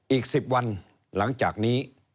อีก๑๐วันหลังจากนี้